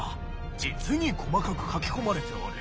実に細かく書き込まれておる。